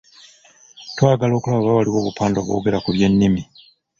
Twagala okulaba oba waliyo obupande obwogera ku by’ennimi.